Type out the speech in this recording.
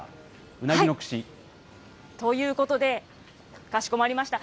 うなぎの串。ということで、かしこまりました。